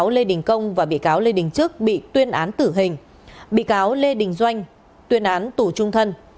lê đình trước bị tuyên án tử hình bị cáo lê đình doanh tuyên án tù trung thân